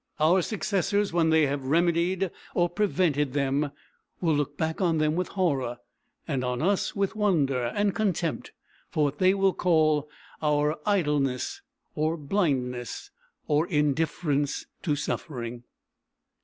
Our successors, when they have remedied or prevented them, will look back on them with horror, and on us with wonder and contempt for what they will call our idleness or blindness or indifference to suffering.